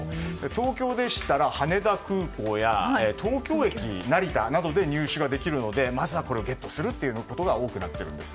東京でしたら羽田空港や東京駅、成田などで入手ができるのでまずはこれをゲットするという方が多くなっているんです。